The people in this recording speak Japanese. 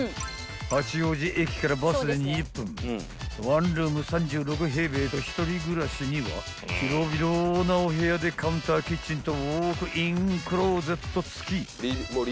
［ワンルーム３６平米と１人暮らしには広々なお部屋でカウンターキッチンとウォークインクローゼット付き］